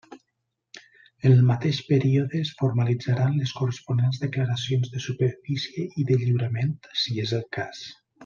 En el mateix període es formalitzaran les corresponents declaracions de superfície i de lliurament, si és el cas.